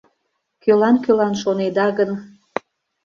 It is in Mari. Кӧлан-кӧлан шонеда гын